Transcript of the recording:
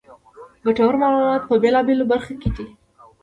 ګټورمعلومات په بېلا بېلو برخو کې دي.